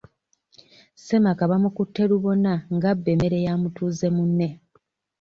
Ssemaka bamukutte lubona nga abba emmere ya mutuuze munne.